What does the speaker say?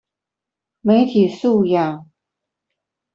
媒體素養